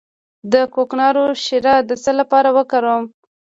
د کوکنارو شیره د څه لپاره وکاروم؟